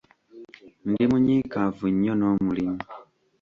Ndi munyiikaavu nnyo n'omulimu.